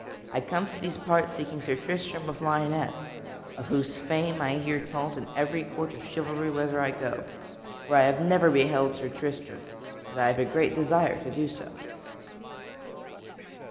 I come to these parts seeking Sir Tristram of Lyonesse, of whose fame I hear told in every court of chivalry whither I go. For I have never beheld Sir Tristram, and I have a great desire to do so."